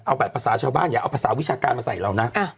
เอาแบบภาษาชาวบ้านอย่าเอาภาษาวิชาการมาใส่เรานะ